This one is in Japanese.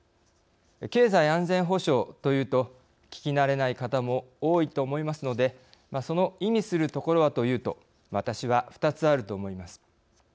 経済安全保障というと聞きなれない方も多いと思いますのでその意味するところはというと私は二つあると思います。